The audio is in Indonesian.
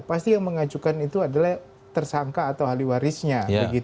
pasti yang mengajukan itu adalah tersangka atau haliwarisnya